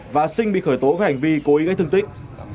và sinh bị khởi tố về hành vi cố ý gây thương tích